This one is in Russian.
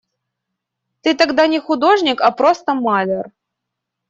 Ты тогда не художник, а просто маляр.